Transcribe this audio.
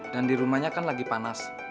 dan di rumahnya kan lagi panas